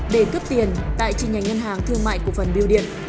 để cướp tiền tại trình nhánh ngân hàng thương mại của phần biêu điện